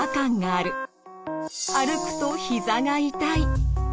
歩くとひざが痛い。